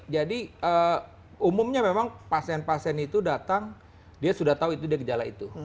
umumnya memang pasien pasien itu datang dia sudah tahu itu dia gejala itu